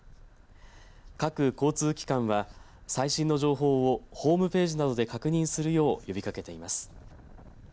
各交通機関は最新の情報をホームページなどで確認するよう呼びかけています。